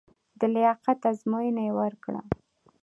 د لیاقت ازموینه یې ورکړه.